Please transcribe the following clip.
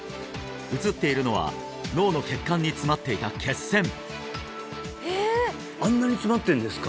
写っているのは脳の血管に詰まっていた血栓あんなに詰まってるんですか？